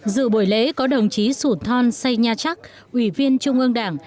dự buổi lễ có đồng chí sủn thon say nha trắc ủy viên trung ương đảng